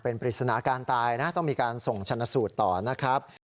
เป็นปริศนาการตายนะต้องมีการส่งชนะสูตรต่อนะครับ